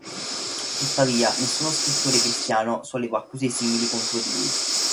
Tuttavia, nessuno scrittore cristiano sollevò accuse simili contro di lui.